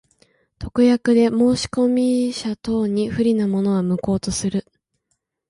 特約で申込者等に不利なものは、無効とする。